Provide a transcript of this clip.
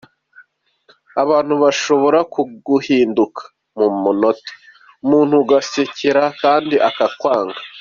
Abantu bashobora kuguhinduka mu munota, umuntu ugusekera kandi akwanga.